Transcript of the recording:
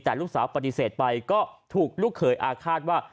แต่ลูกสาวปฏิเสธไปก็ถูกลูกเขยอาฆาตว่า